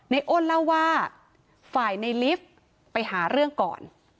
อ้นเล่าว่าฝ่ายในลิฟต์ไปหาเรื่องก่อน